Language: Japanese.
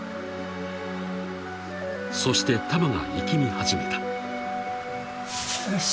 ［そしてタマが息み始めた］